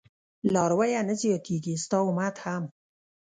لارويه نه زياتېږي ستا امت هم